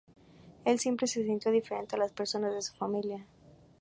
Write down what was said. Él siempre se sintió diferente a las personas de su familia.